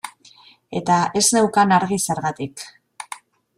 Eta ez neukan argi zergatik.